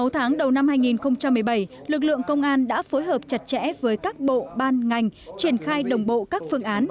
sáu tháng đầu năm hai nghìn một mươi bảy lực lượng công an đã phối hợp chặt chẽ với các bộ ban ngành triển khai đồng bộ các phương án